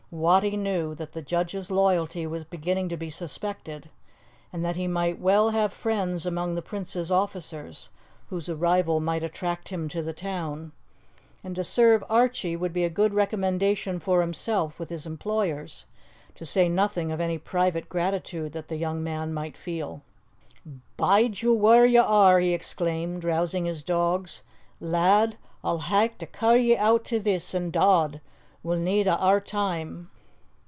Wattie knew that the judge's loyalty was beginning to be suspected, and that he might well have friends among the Prince's officers, whose arrival might attract him to the town. And to serve Archie would be a good recommendation for himself with his employers, to say nothing of any private gratitude that the young man might feel. "Bide you whaur ye are!" he exclaimed, rousing his dogs. "Lad, a'll hae to ca' ye oot o' this, an' dod! we'll need a' our time!"